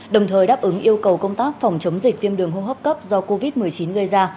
đồng thời đáp ứng yêu cầu công tác phòng chống dịch viêm đường hô hấp cấp do covid một mươi chín gây ra